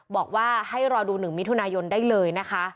บอกว่าให้รอดู๑มิถุนายนได้เลยนะคะ